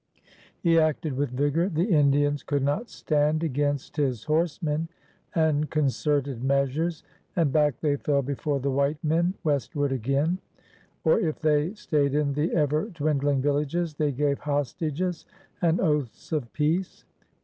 He acted with vigor. The Indians could not stand against his horsemen and concerted measures, and back they fell before the white men, westward again; or, if they stayed in the ever dwindling villages, they gave hostages and oaths of peace.